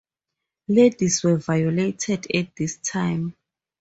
Ladies were violated at this time.